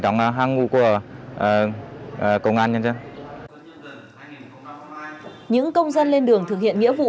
những công dân lên đường thực hiện nghĩa vụ